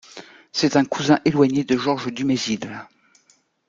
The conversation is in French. C'est un cousin éloigné de Georges Dumézil.